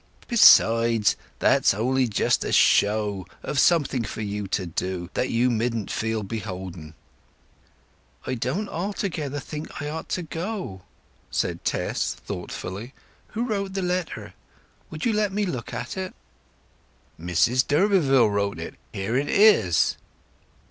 Besides, that's only just a show of something for you to do, that you midn't feel beholden." "I don't altogether think I ought to go," said Tess thoughtfully. "Who wrote the letter? Will you let me look at it?" "Mrs d'Urberville wrote it. Here it is."